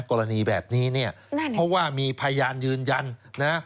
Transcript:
กรณีแบบนี้เนี่ยเพราะว่ามีพยานยืนยันนะ